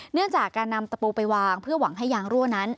เนื่องจากการนำตะปูไปวางเพื่อหวังให้ยางรั่วนั้น